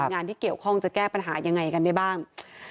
งานที่เกี่ยวข้องจะแก้ปัญหายังไงกันได้บ้าง